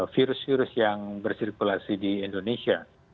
virus virus yang bersirkulasi di indonesia